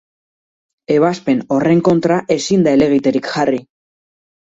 Ebazpen horren kontra ezin da helegiterik jarri.